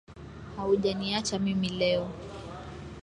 Haujaniacha mimi leo.